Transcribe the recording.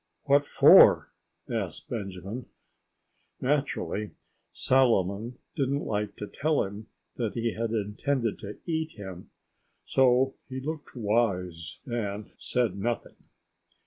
"What for?" asked Benjamin. Naturally, Solomon didn't like to tell him that he had intended to eat him. So he looked wise—and said nothing.